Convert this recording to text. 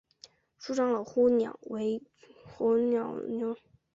鼠掌老鹳草为牻牛儿苗科老鹳草属的植物。